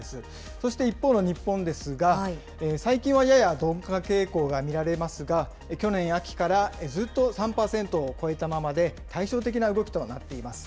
そして一方の日本ですが、最近はやや鈍化傾向が見られますが、去年秋からずっと３％を超えたままで、対照的な動きとなっています。